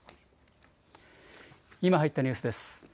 今入ったニュースです。